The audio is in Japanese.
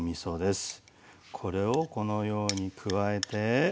これをこのように加えて。